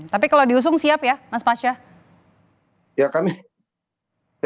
tapi kalau diusung siap ya mas pasya